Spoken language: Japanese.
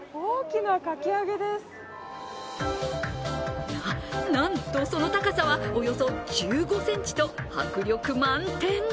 な、なんと、その高さはおよそ１５ｃｍと迫力満点。